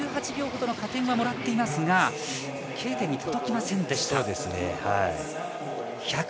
１８秒ほどの加点はもらっていますがＫ点に届きませんでした。